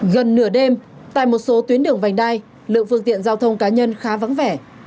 gần nửa đêm tại một số tuyến đường vành đai lượng phương tiện giao thông cá nhân khá vắng vẻ